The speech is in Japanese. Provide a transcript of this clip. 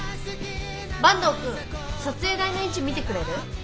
坂東くん撮影台の位置見てくれる？